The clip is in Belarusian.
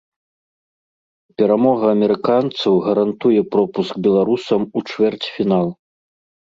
Перамога амерыканцаў гарантуе пропуск беларусам у чвэрцьфінал.